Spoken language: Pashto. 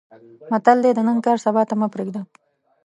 متل دی: د نن کار سبا ته مې پرېږده.